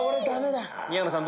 宮野さん